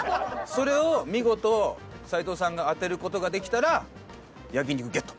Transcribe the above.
それを見事齊藤さんが当てる事ができたら焼肉ゲット！